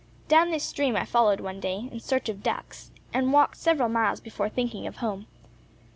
Down this stream I followed one day, in search of ducks, and walked several miles before thinking of home.